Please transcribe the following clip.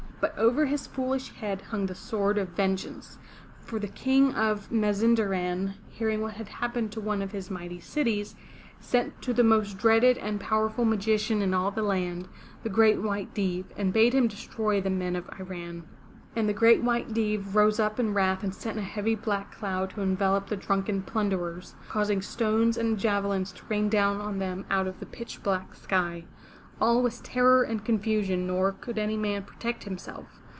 But over his foolish head hung the sword of vengeance. For the King of Mazinderan, hearing what had happened to one of his mighty cities, sent to the most dreaded and powerful magician in all the land, the Great White Deev, and bade him destroy the men of Iran. And the Great White Deev rose up in wrath and sent a heavy black cloud to envelope the drunken plunderers, causing stones and javelins to rain down on them out of the pitch black sky. All was terror and confusion, nor could any man protect himself.